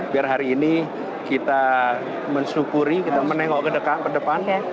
biar hari ini kita mensyukuri kita menengok ke depannya